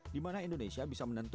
di mana indonesia bisa menentukan